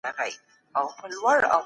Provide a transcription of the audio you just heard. زعفران د بدن مقاومت لوړوي.